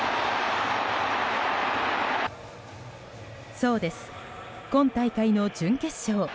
そうです、今大会の準決勝